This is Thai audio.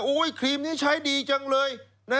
ครีมนี้ใช้ดีจังเลย